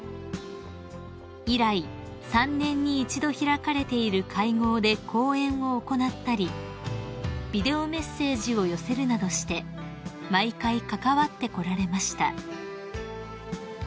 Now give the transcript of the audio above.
［以来３年に一度開かれている会合で講演を行ったりビデオメッセージを寄せるなどして毎回関わってこられました］